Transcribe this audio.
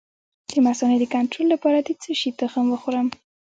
د مثانې د کنټرول لپاره د کوم شي تخم وخورم؟